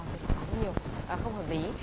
thì khó nhiều không hợp lý